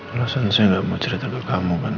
alasan saya nggak mau cerita ke kamu kan